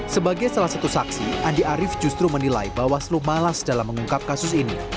sebagai salah satu saksi andi arief justru menilai bawaslu malas dalam mengungkap kasus ini